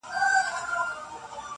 پلار وای دا لور چي پلاني پير ته ودېږي~